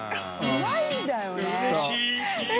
うまいんだよね。